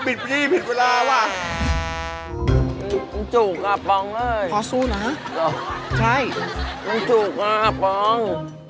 บิดพี่ผิดเวลาว่ะจุกกับปองด้วยพอสู้นะหรอใช่จุกกับปอง